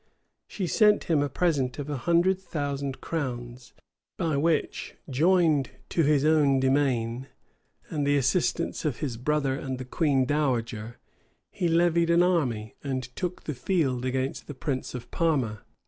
[*] She sent him a present of a hundred thousand crowns; by which, joined to his own demesnes, and the assistance of his brother and the queen dowager, he levied an army, and took the field against the prince of Parma.